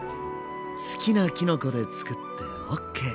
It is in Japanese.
好きなきのこで作ってＯＫ！